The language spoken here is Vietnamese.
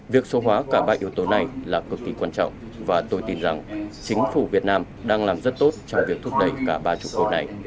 việc số hóa cả ba yếu tố này là cực kỳ quan trọng và tôi tin rằng chính phủ việt nam đang làm rất tốt trong việc thúc đẩy cả ba trụ cột này